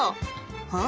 うん。